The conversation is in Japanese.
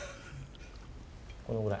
このぐらい。